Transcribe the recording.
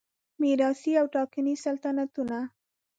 میراثي او ټاکنیز سلطنتونه